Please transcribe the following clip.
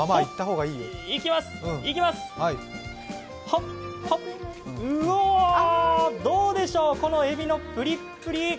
うお、どうでしょう、このエビのプリップリ！